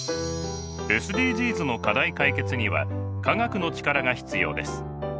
ＳＤＧｓの課題解決には科学の力が必要です。